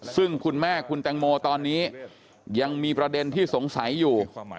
ซึ่งคุณแม่คุณแตงโมตอนนี้ยังมีประเด็นที่สงสัยอยู่